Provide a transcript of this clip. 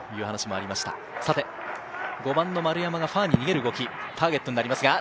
５番の丸山がファーに逃げる動き、ターゲットになります。